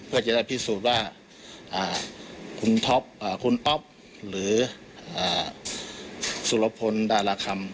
เพื่อจะได้พิสูจน์ว่าคุณอ๊อฟหรือสุรพลดาราคำ